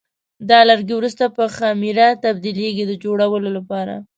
دا لرګي وروسته په خمېره تبدیلېږي د جوړولو لپاره.